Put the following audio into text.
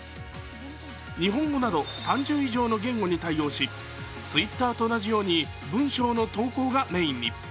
日本語など３０以上の言語に対応しＴｗｉｔｔｅｒと同じように文章の投稿がメインに。